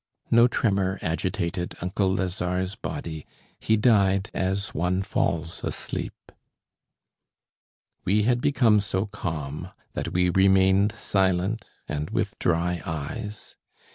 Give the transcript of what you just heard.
No tremor agitated uncle Lazare's body; he died as one falls asleep. We had become so calm that we remained silent and with dry eyes.